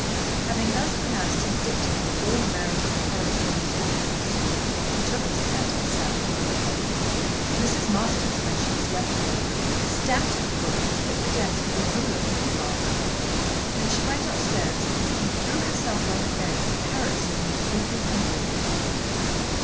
Having thus pronounced his dictum with all the marital authority he was able to assume he took his hat and sallied forth. Mrs. Masters, when she was left alone, stamped her foot and hit the desk with a ruler that was lying there. Then she went up stairs and threw herself on her bed in a paroxysm of weeping and wailing.